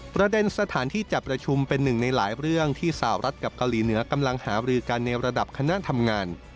ประเด็นสถานที่จัดประชุมเป็นหนึ่งในหลายเรื่องที่สาวรัฐกับเกาหลีเหนือกำลังหารือกันในระดับคณะทำงาน